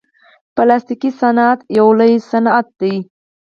پلاستيکي صنعت یو لوی صنعت دی.